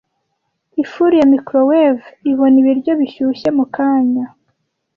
Ifuru ya microwave ibona ibiryo bishyushye mukanya.